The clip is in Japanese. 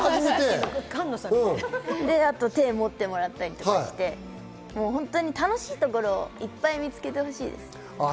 あとは手を持ってもらったりして、楽しいところをいっぱい見つけてほしいです。